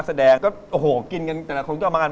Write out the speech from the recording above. ผมเฉยพูดนะเพราะว่าแบบทีมงาน